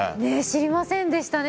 知りませんでしたね。